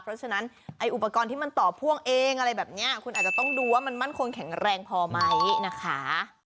เพราะฉะนั้นไอ้อุปกรณ์ที่มันต่อพ่วงเองอะไรแบบนี้คุณอาจจะต้องดูว่ามันมั่นคงแข็งแรงพอไหมนะคะ